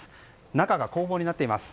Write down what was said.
中が工房になっています。